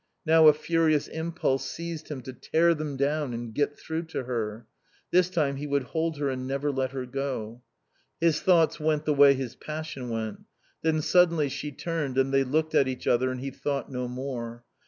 Now a furious impulse seized him to tear them down and get through to her. This time he would hold her and never let her go. His thoughts went the way his passion went. Then suddenly she turned and they looked at each other and he thought no more.